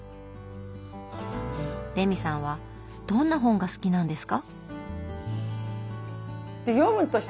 レミさんはどんな本が好きなんですか？